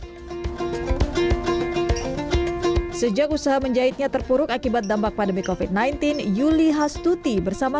hai sejak usaha menjahitnya terpuruk akibat dampak pandemi covid sembilan belas yuli hastuti bersama